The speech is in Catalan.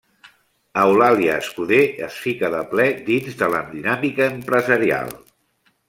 Eulàlia Escuder es fica de ple dins de la dinàmica empresarial.